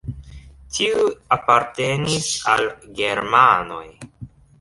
Tiu apartenis al germanoj.